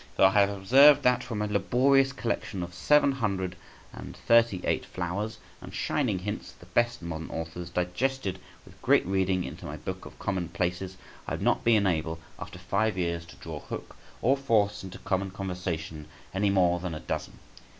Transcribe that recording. For I have observed that from a laborious collection of seven hundred and thirty eight flowers and shining hints of the best modern authors, digested with great reading into my book of common places, I have not been able after five years to draw, hook, or force into common conversation any more than a dozen.